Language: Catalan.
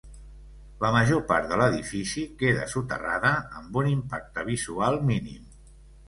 La major part de l'edifici queda soterrada, amb un impacte visual mínim.